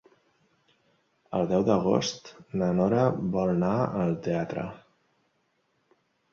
El deu d'agost na Nora vol anar al teatre.